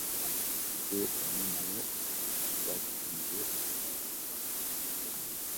Ziwe omunnyo ogw’ekisula ziguliire mu biwata.